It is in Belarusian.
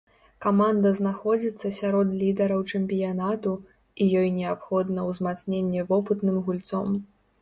Каманда знаходзіцца сярод лідараў чэмпіянату і ёй неабходна ўзмацненне вопытным гульцом.